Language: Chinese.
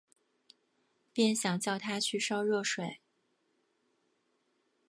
便想叫她去烧热水